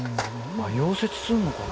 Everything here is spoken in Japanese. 溶接するのかな。